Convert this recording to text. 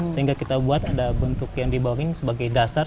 sehingga kita buat ada bentuk yang dibawahin sebagai dasar